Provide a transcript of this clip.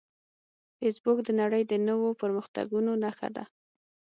فېسبوک د نړۍ د نوو پرمختګونو نښه ده